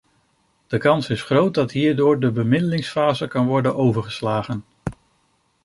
De kans is groot dat hierdoor de bemiddelingsfase kan worden overgeslagen.